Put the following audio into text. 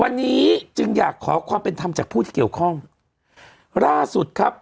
วันนี้จึงอยากขอความเป็นธรรมจากผู้ที่เกี่ยวข้องล่าสุดครับ